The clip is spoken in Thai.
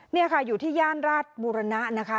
นี่ค่ะอยู่ที่ย่านราชบุรณะนะคะ